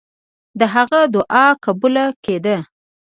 د هغه دعا قبوله کېده.